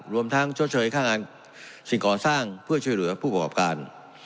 รวมทั้งชดเชยค่างานสิ่งก่อสร้างเพื่อช่วยเหลือผู้ประกอบการ